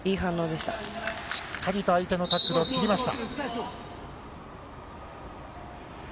しっかりと相手のタックルを切りました。